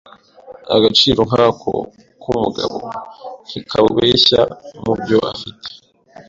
Agaciro nyako k'umugabo ntikabeshya mubyo afite.